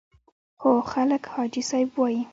خو خلک حاجي صاحب وایي.